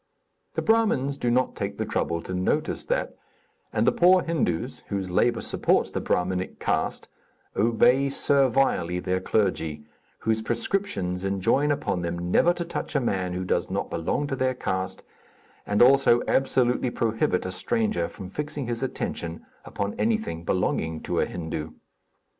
The Brahmins do not take the trouble to notice that, and the poor Hindus, whose labor supports the Brahminic caste, obey servilely their clergy, whose prescriptions enjoin upon them never to touch a man who does not belong to their caste, and also absolutely prohibit a stranger from fixing his attention upon anything belonging to a Hindu.